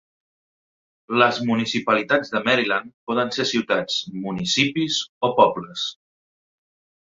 Les municipalitats de Maryland poden ser ciutats, municipis o pobles.